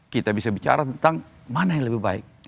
kita bisa bicara tentang mana yang lebih baik